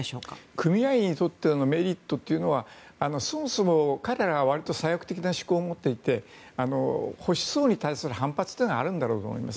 組合員にとってのメリットというのはそもそも彼らはわりと左翼的な思考を持っていて保守層に対する反発はあるんだろうと思います。